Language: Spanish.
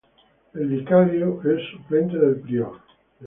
El vicario es el suplente del prior.